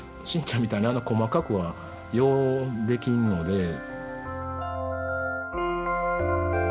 真ちゃんみたいにあんな細かくはようできんので。